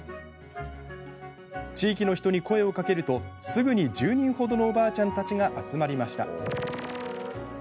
地域の人に声をかけると、すぐに１０人ほどのおばあちゃんたちが集まりました。